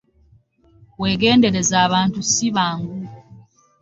Wegendereze abantu ssibangu